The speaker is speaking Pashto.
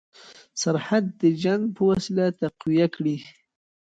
سرحد د جنګ په وسیله تقویه کړي.